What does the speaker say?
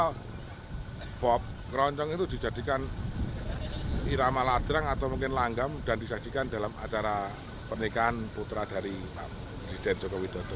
karena pop keroncong itu dijadikan irama ladrang atau mungkin langgam dan disajikan dalam acara pernikahan putra dari presiden joko widodo